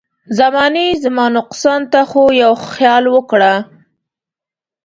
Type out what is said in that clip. زمانې زما نقصان ته خو خيال وکړه.